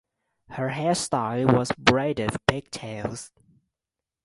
Her hairstyle was braided pigtails.